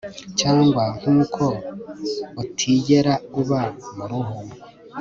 cyangwa, nkuko utigera uba mu ruhu